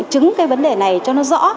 trứng cái vấn đề này cho nó rõ